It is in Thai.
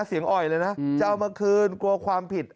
อ่อยเลยนะจะเอามาคืนกลัวความผิด